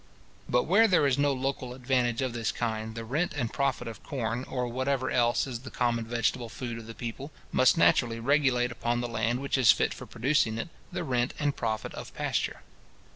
But where there is no local advantage of this kind, the rent and profit of corn, or whatever else is the common vegetable food of the people, must naturally regulate upon the land which is fit for producing it, the rent and profit of pasture.